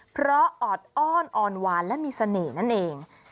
เพราะออดอ้อนอ่อนหวานและมีเสน่ห์นั่นเอง